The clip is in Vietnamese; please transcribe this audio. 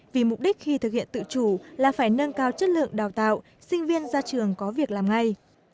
vì mục đích khi thực hiện tự chủ là phải nâng cao chất lượng đào tạo sinh viên ra trường có việc làm ngay